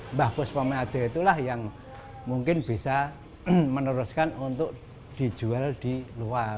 mbah puspo manado itulah yang mungkin bisa meneruskan untuk dijual di luar